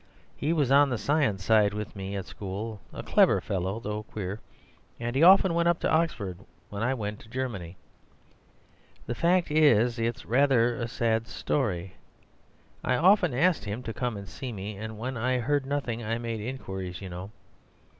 He was on the science side with me at school— a clever fellow though queer; and he went up to Oxford when I went to Germany. The fact is, it's rather a sad story. I often asked him to come and see me, and when I heard nothing I made inquiries, you know.